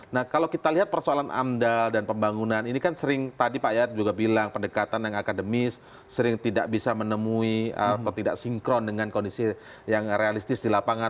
nah kalau kita lihat persoalan amdal dan pembangunan ini kan sering tadi pak yayat juga bilang pendekatan yang akademis sering tidak bisa menemui atau tidak sinkron dengan kondisi yang realistis di lapangan